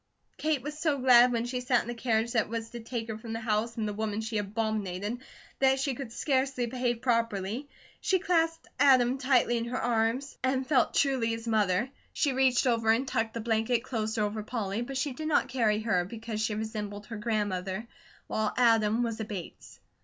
Kate was so glad when she sat in the carriage that was to take her from the house and the woman she abominated that she could scarcely behave properly. She clasped Adam tightly in her arms, and felt truly his mother. She reached over and tucked the blanket closer over Polly, but she did not carry her, because she resembled her grandmother, while Adam was a Bates.